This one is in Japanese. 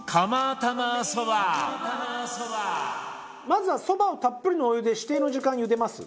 まずはそばをたっぷりのお湯で指定の時間ゆでます。